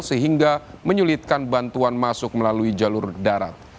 sehingga menyulitkan bantuan masuk melalui jalur darat